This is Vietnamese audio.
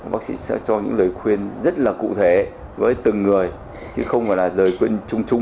bác sĩ sẽ cho những lời khuyên rất là cụ thể với từng người chứ không phải là rời quên chung chung